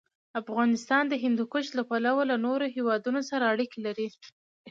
افغانستان د هندوکش له پلوه له نورو هېوادونو سره اړیکې لري.